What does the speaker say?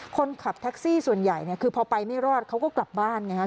คนขับแท็กซี่ส่วนใหญ่เนี่ยคือพอไปไม่รอดเขาก็กลับบ้านไงฮะ